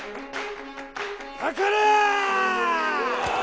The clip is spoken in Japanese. かかれ！